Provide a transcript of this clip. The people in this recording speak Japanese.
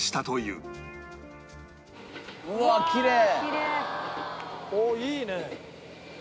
うわ空きれい。